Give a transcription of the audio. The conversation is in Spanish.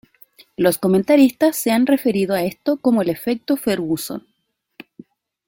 Los comentaristas se han referido a esto como el efecto Ferguson.